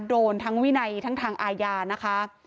โดนทั้งวินัยทั้งทางอาญานะคะ